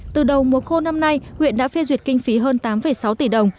từ đầu mùa khô năm nay huyện đã phê duyệt kinh phí hơn tám sáu tỷ đồng